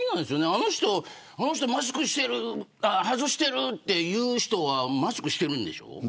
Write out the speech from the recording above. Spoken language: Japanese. あの人マスク外してるって言う人はマスクしてるんでしょ。